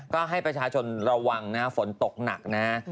ก็ให้ประชาชนระวังนะฝนตกหนักนะฮะ